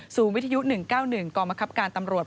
สูงวิทยุ๑๙๑กรมกรรมกรรมการตำรวจ